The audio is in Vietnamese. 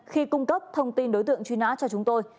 khi cung cấp thông tin đối tượng truy nã cho chúng tôi